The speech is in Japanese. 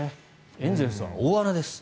エンゼルスは大穴です。